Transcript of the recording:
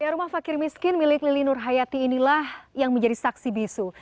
rumah fakir miskin milik lili nur hayati inilah yang menjadi saksi bisu